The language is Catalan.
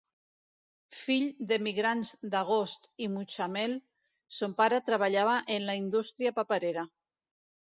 Fill d'emigrants d'Agost i Mutxamel, son pare treballava en la indústria paperera.